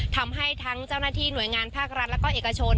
ทำให้ทั้งเจ้าหน้าที่หน่วยงานภาครัฐแล้วก็เอกชน